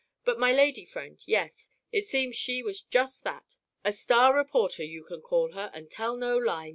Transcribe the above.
"But my lady friend yes. It seems she was just that. A Star reporter you can call her, and tell no lie, Mr. Mayor."